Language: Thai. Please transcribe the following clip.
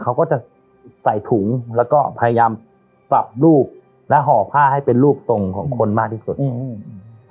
เขาก็จะใส่ถุงแล้วก็พยายามปรับรูปและห่อผ้าให้เป็นรูปทรงของคนมากที่สุดอืม